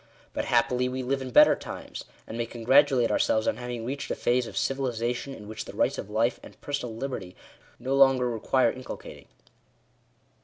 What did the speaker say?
But happily we live in better times ; and may congratulate ourselves on having reached a phase of civilization, in which the rights of life and personal liberty no longer require inculcating.